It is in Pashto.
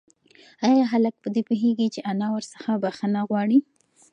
ایا هلک په دې پوهېږي چې انا ورڅخه بښنه غواړي؟